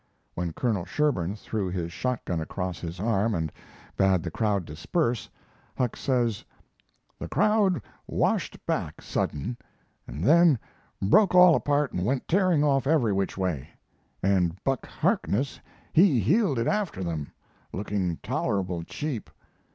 When Colonel Sherburn threw his shotgun across his arm and bade the crowd disperse Huck says: The crowd washed back sudden, and then broke all apart and went tearing off every which way, and Buck Harkness he heeled it after them, looking tolerable cheap.